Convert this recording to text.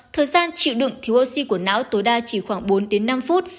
thời gian chịu đựng thiếu oxy của não tối đa chỉ khoảng bốn đến năm phút